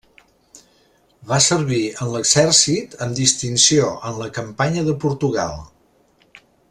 Va servir en l'exèrcit amb distinció en la campanya de Portugal.